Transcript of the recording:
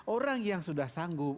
orang yang sudah sanggup